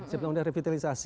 sebelum ada revitalisasi